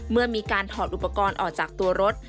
เมื่อมีการถอดอุปกรณ์ออกจากตัวรถ